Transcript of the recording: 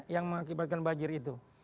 yang mengakibatkan banjir itu